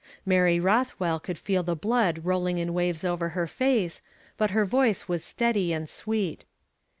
Mary Rothwell could feel the blood rolling in waves over her face, but her voice was steady and sweet.